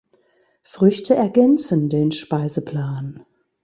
Früchte ergänzen den Speiseplan.